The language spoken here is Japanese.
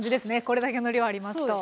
これだけの量ありますと。